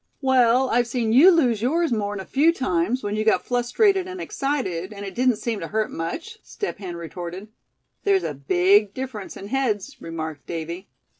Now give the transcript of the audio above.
"Well, I've seen you lose yours more'n a few times, when you got flustrated and excited; and it didn't seem to hurt much," Step Hen retorted. "There's a big difference in heads," remarked Davy.